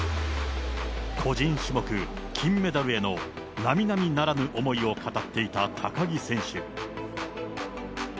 個人種目金メダルへの並々ならぬ思いを語っていた高木選手。